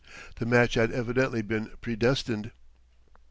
The match had evidently been predestined.